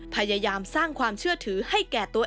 พยายามสร้างความเชื่อถือให้แก่ตัวเอง